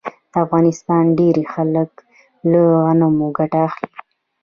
د افغانستان ډیری خلک له غنمو ګټه اخلي.